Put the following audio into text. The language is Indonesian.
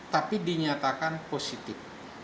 tapi dinyatakan positif